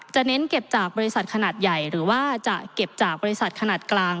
เน้นเก็บจากบริษัทขนาดใหญ่หรือว่าจะเก็บจากบริษัทขนาดกลาง